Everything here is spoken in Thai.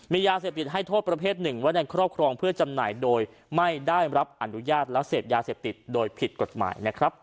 มียาเสพติดให้โทษประเภทหนึ่งไว้ในครอบครองเพื่อจำหน่ายโดยไม่ได้รับอนุญาตและเสพยาเสพติดโดยผิดกฎหมายนะครับ